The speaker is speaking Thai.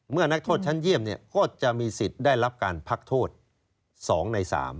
นักโทษชั้นเยี่ยมก็จะมีสิทธิ์ได้รับการพักโทษ๒ใน๓